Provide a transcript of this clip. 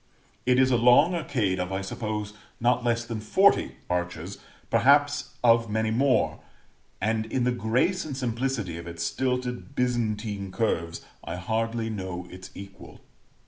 It is a long arcade of, I suppose, not less than forty arches, perhaps of many more; and in the grace and simplicity of its stilted Byzantine curves I hardly know its equal.